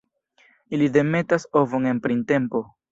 Ili demetas ovon en printempo.